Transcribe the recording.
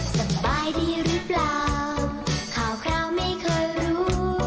สบายดีหรือเปล่าข่าวคราวไม่เคยรู้